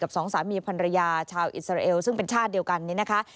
สองสามีภรรยาชาวอิสราเอลซึ่งเป็นชาติเดียวกันนี่นะคะ